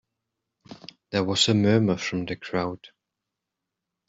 There was a murmur from the crowd.